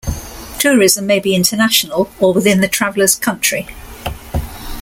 Tourism may be international, or within the traveller's country.